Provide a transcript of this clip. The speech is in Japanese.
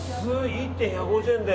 １点１５０円で。